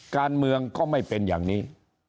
การเมืองก็ไม่เป็นอย่างนี้